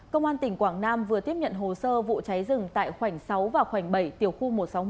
công an tỉnh quảng nam vừa tiếp nhận hồ sơ vụ cháy rừng tại khoảng sáu và khoảng bảy tiểu khu một trăm sáu mươi